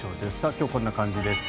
今日こんな感じです。